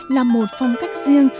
là một phong cách riêng